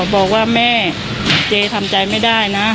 บอกว่าแม่เจ๊ทำใจไม่ได้นะ